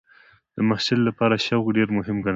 د محصل لپاره شوق ډېر مهم ګڼل کېږي.